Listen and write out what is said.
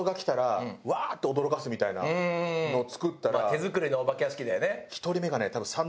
手作りのお化け屋敷だよね。